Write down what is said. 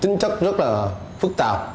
chính chất rất là phức tạp